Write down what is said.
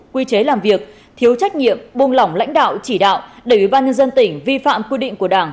quy chế làm việc thiếu trách nhiệm buông lỏng lãnh đạo chỉ đạo để ủy ban nhân dân tỉnh vi phạm quy định của đảng